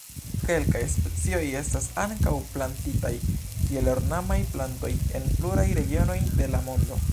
Kelkaj specioj estas ankaŭ plantitaj kiel ornamaj plantoj en pluraj regionoj de la mondo.